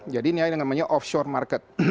jadi ini yang namanya offshore market